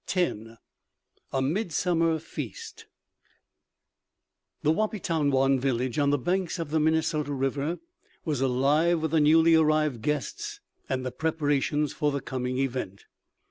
III A MIDSUMMER FEAST The Wahpetonwan village on the banks of the Minnesota river was alive with the newly arrived guests and the preparations for the coming event.